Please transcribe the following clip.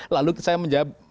lalu kita juga mengatakan